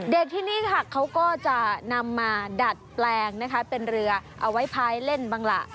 ที่นี่ค่ะเขาก็จะนำมาดัดแปลงนะคะเป็นเรือเอาไว้ภายเล่นบ้างล่ะ